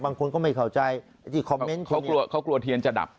บางคนก็ไม่เข้าใจอย่างงี้คอมเม้นต์คนนี้เขากลัวเขากลัวเทียนจะดับ